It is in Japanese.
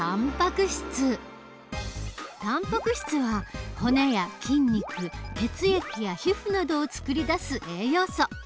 たんぱく質は骨や筋肉血液や皮膚などをつくり出す栄養素。